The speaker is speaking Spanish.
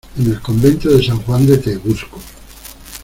en el convento de San Juan de Tegusco.